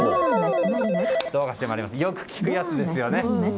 よく聞くやつですよね。